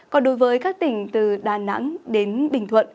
còn đối với các tỉnh từ đà nẵng đến bình thuận